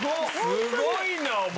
すごいな、お前。